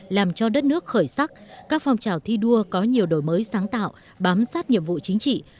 làm cho đất nước khởi sắc các phong trào thi đua có nhiều đổi mới sáng tạo bám sát nhiệm vụ chính trị